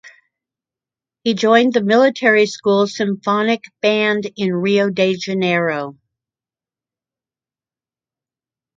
He joined the Military School Symphonic Band in Rio de Janeiro.